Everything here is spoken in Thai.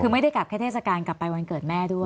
คือไม่ได้กลับแค่เทศกาลกลับไปวันเกิดแม่ด้วย